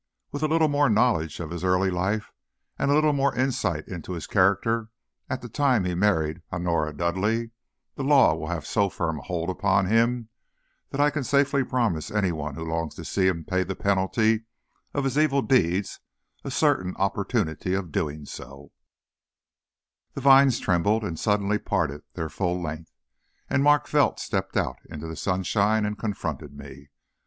With a little more knowledge of his early life and a little more insight into his character at the time he married Honora Dudleigh, the law will have so firm a hold upon him that I can safely promise any one who longs to see him pay the penalty of his evil deeds a certain opportunity of doing so." The vines trembled and suddenly parted their full length, and Mark Felt stepped out into the sunshine and confronted me.